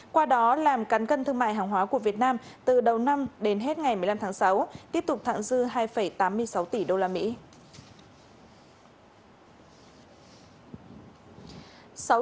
qua đó làm cán cân thương mại hàng hóa của việt nam từ đầu năm đến hết ngày một mươi năm tháng sáu tiếp tục thẳng dư hai tám mươi sáu tỷ đô la mỹ